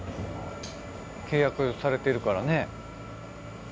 契約されてるからね。